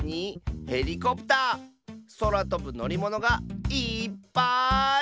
そらとぶのりものがいっぱい！